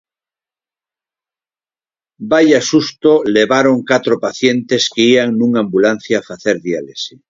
Vaia susto levaron catro pacientes que ían nunha ambulancia a facer diálise.